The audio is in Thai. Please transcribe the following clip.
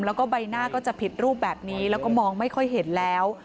แล้วก็ใบหน้าก็จะผิดรูปแบบนี้แล้วก็มองไม่ค่อยเห็นแล้ว